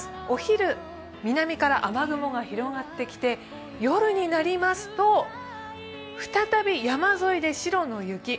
お昼、南から雨雲が広がってきて、夜になりますと、再び山沿いで白の雪。